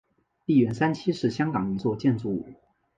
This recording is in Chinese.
利园三期是香港一座建筑物。